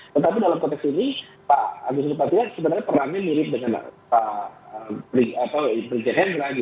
tetapi dalam konteks ini pak agus rupatian sebenarnya perannya mirip dengan pak brigjen hendra